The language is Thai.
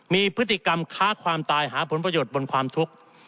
มีพฤติกรรมค้าความตายหาผลประโยชน์บนความทุกข์